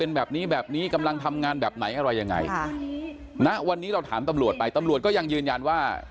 เป็นแบบนี้แบบนี้กำลังทำงานแบบไหนอะไรยังไงค่ะณวันนี้เราถามตำรวจไปตำรวจก็ยังยืนยันว่า